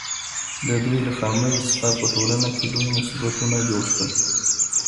د دوی له خامیو څخه په ټولنه کي لوی مصیبتونه جوړ سول.